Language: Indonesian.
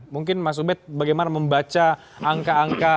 mungkin mas ubed bagaimana membaca angka angka